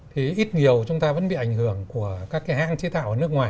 thì ít nhiều chúng ta vẫn bị ảnh hưởng của các cái hãng chế tạo ở nước ngoài